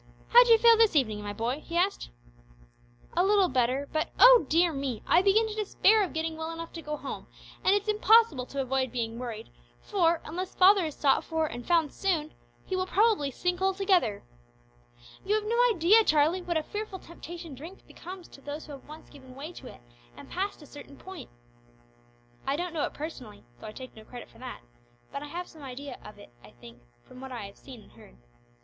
"How d'you feel this evening, my boy?" he asked. "A little better, but oh dear me! I begin to despair of getting well enough to go home, and it's impossible to avoid being worried, for, unless father is sought for and found soon he, will probably sink altogether. You have no idea, Charlie, what a fearful temptation drink becomes to those who have once given way to it and passed a certain point." "I don't know it personally though I take no credit for that but I have some idea of it, I think, from what I have seen and heard.